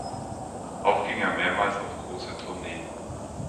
Auch ging er mehrmals auf große Tournee.